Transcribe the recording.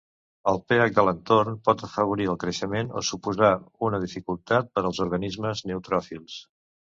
El pH de l'entorn pot afavorir el creixement o suposar una dificultar per als organismes neutròfils.